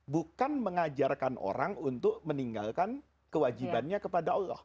bukan mengajarkan orang untuk meninggalkan kewajibannya kepada allah